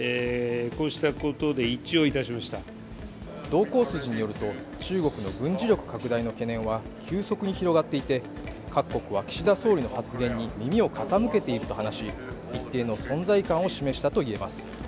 同行筋によると中国の軍事力拡大の懸念は急速に広がっていて各国は岸田総理の発言に耳を傾けていると話し一定の存在感を示したといえます。